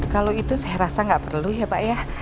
kalau itu saya rasa nggak perlu ya pak ya